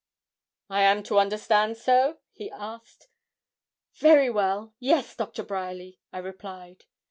'I am to understand so?' he asked. 'Very well yes, Doctor Bryerly,' I replied.